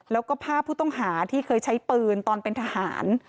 แล้วก็ภาพผู้ต้องหาที่เคยใช้ปืนตอนเป็นทหาร